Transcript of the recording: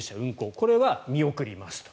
これは見送りますと。